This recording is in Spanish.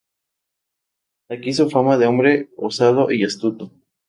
De aquí su fama de hombre osado y astuto.